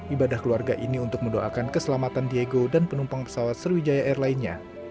ibadah keluarga ini untuk mendoakan keselamatan diego dan penumpang pesawat sriwijaya air lainnya